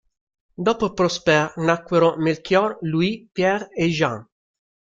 Dopo Prosper nacquero Melchior, Louis, Pierre e Jeanne.